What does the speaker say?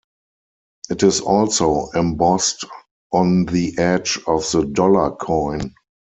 It is also embossed on the edge of the dollar coin.